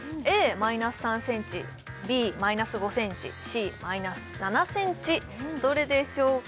マイナス３センチＢマイナス５センチＣマイナス７センチどれでしょうか？